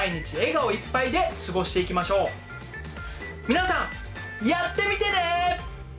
皆さんやってみてね！